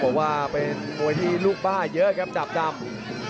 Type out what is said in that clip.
เราบอกว่าเป็นกุยมวยหลูกบ้าเยอะครับดำ